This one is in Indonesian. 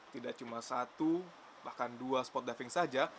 tidak cuma satu bahkan dua spot diving saja